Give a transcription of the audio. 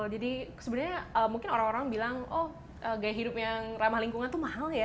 jadi sebenarnya mungkin orang orang bilang oh gaya hidup yang ramah lingkungan itu mahal ya